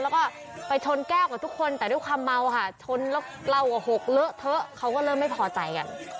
แล้วก็ไปชนแก้วกับทุกคนแต่ด้วยความเมาค่ะชนแล้วเราก็หกเลอะเทอะเขาก็เริ่มไม่พอใจกัน